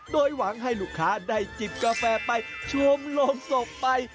โดยหวังให้ลูกค้าได้จิบกาแฟไปชมโรงศพไป